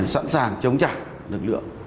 sẵn sàng chống trả lực lượng